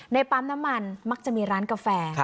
ปั๊มน้ำมันมักจะมีร้านกาแฟ